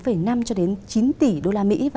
và đạt từ tám năm cho đến chín tỷ usd